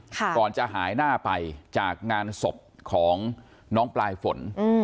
ก่อนจะหายหน้าไปจากงานศพของน้องปลายฝน